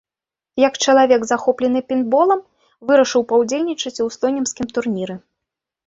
Як чалавек, захоплены пейнтболам, вырашыў паўдзельнічаць і ў слонімскім турніры.